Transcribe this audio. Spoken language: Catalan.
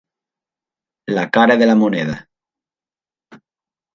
La cara de la moneda.